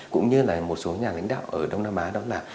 cũng như là một số nhà lãnh đạo ở đông nam á đó là